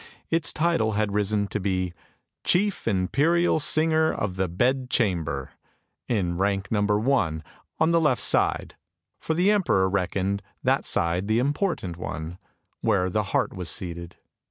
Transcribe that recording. Its title had risen to be " Chief Imperial Singer of the Bed Chamber, " in rank number one, on the left side; for the emperor reckoned that side the important one, where the heart was seated.